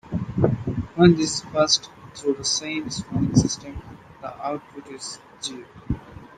When this is passed through the same smoothing system, the output is zero.